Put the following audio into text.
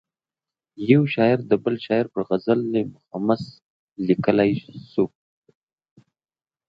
یو شاعر د بل شاعر پر غزل مخمس لیکلای شو.